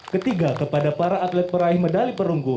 ketiga kepada para atlet peraih medali perunggu